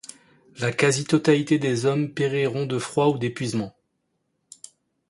La quasi-totalité des hommes périront de froid ou d'épuisement.